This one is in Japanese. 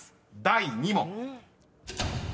第２問］